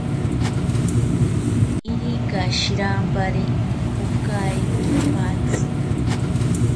Irika shirampari pokae kipatzi